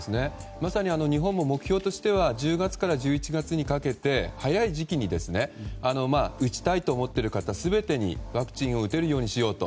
まさに日本も目標としては１０月から１１月にかけて早い時期に打ちたいと思っている方全てにワクチンを打てるようにしようと。